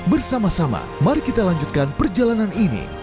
bersama sama mari kita lanjutkan perjalanan ini